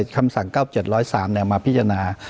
คำสั่ง๙๗๐๓มาพิจารณา